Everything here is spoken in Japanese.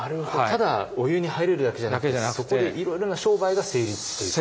ただお湯に入れるだけじゃなくてそこでいろいろな商売が成立していた。